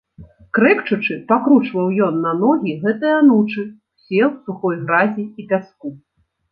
Крэкчучы, пакручваў ён на ногі гэтыя анучы, усе ў сухой гразі і пяску.